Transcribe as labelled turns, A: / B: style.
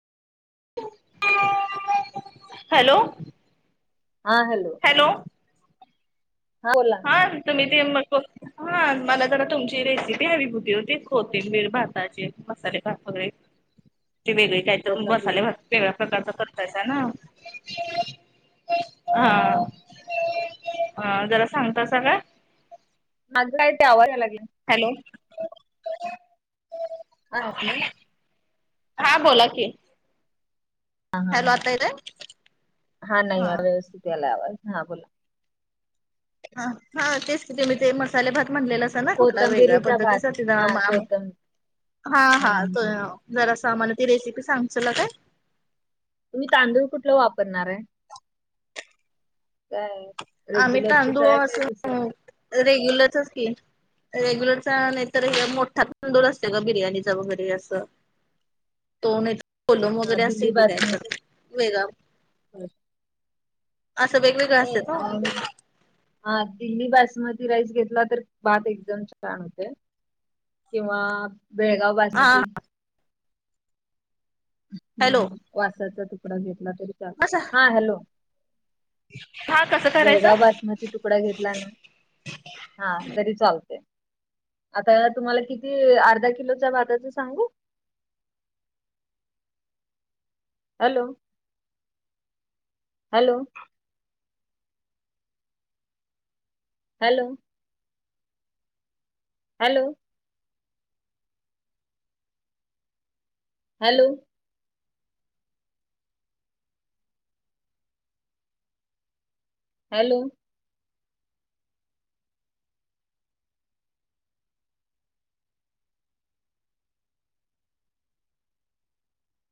A: Hello.
B: हा hello.
A: Hello.
B: हां बोला.
A: तुम्ही ते मग हा मला जरा तुमची रेसिपी हवी होती ओ ती कोथिंबीर भाताची मसाले भात वगैरे. ती वेगळी काही तर
B: कोथंबीर
A: मसाले भात वेगळ्या प्रकारचा करतायसा ना.
B: अ
A: हा हा जरा सांगतासा का?
B: माझंय ते आवाज यायलागलाय.
A: हॅलो
B: हा, हॅलो.
A: हां बोला की.
B: हा हा
A: हॅलो
B: हं
A: आता येतोय
B: हा नाही यायलाय, व्यवस्थित यालाय आवाज हा बोला.
A: हं हां तेच तिथे मी ते मसाले भात म्हणलेले सा ना, कुठला वेगळ्या पद्धतीचा ते जरा
B: दम
A: हा हा तो जरासं, आम्हाला ती रेसिपी सांगशिला काय?
B: तुम्ही तांदूळ कुठलं वापरणाराय? काय
A: आम्ही
B: रेग्युलरचच
A: तांदूळ
B: हाय काय? दुसरं
A: असं रेग्युलरचच की. रेग्युलरचा नाही तर हे मोठा तांदूळ असते गं बिर्याणीचा वगैरे असं. तो नाहीतर कोलम
B: हा
A: वगैरे
B: दिल्ली
A: असेल की
B: बासमती
A: कायत्रतर वेगळा. असं वेगवेगळं असतात
B: [unintelligible] हा दिल्ली बासमती राईस घेतला तर भात एकदम छान होतय. किंवा बेळगाव
A: हा
B: बासमती.
A: हॅलो
B: हम्म वासाचा तुकडा घेतला तरी चालल,
A: असं
B: हा हॅलो
A: हा कसं.
B: बेळगाव
A: करायचं
B: बासमती तुकडा घेतला ना, हा तरी चालतय. आता तुम्हाला किती,. अर्धा किलोच्या भााताच सांगू hello, hello. Hello hello hello. Hello. Hello